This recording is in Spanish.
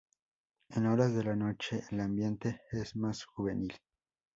En horas de la noche el ambiente es más juvenil.